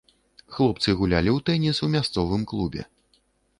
Хлопцы гулялі ў тэніс у мясцовым клубе.